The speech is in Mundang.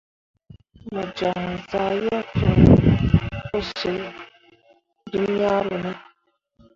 Mo joŋ zah yeb fee pǝ syil dunyaru ne ?